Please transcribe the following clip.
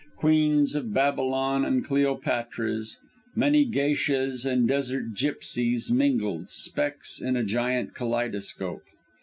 Queens of Babylon and Cleopatras, many Geishas and desert Gypsies mingled, specks in a giant kaleidoscope.